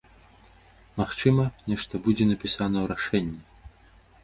Магчыма, нешта будзе напісана ў рашэнні.